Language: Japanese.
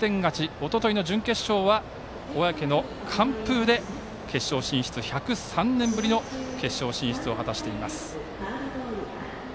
おとといの準決勝は小宅の完封で１０３年ぶりの決勝進出を果たしています。